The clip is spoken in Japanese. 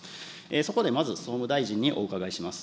そこでまず総務大臣にお伺いします。